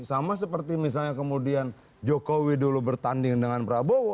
sama seperti misalnya kemudian jokowi dulu bertanding dengan prabowo